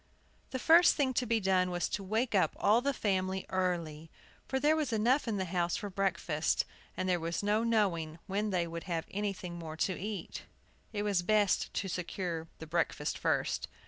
The first thing to be done was to wake up all the family early; for there was enough in the house for breakfast, and there was no knowing when they would have anything more to eat. It was best to secure the breakfast first.